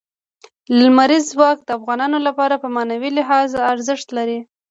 لمریز ځواک د افغانانو لپاره په معنوي لحاظ ارزښت لري.